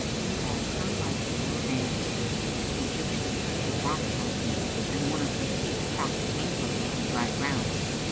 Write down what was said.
Yon have her life in your hands." The Egyptian turned her back upon him, and one of her feet tapped angrily on the dry ground.